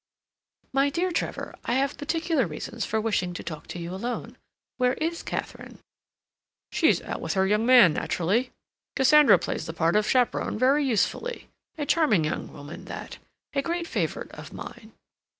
"My dear Trevor, I have particular reasons for wishing to talk to you alone.... Where is Katharine?" "She's out with her young man, naturally. Cassandra plays the part of chaperone very usefully. A charming young woman that—a great favorite of mine."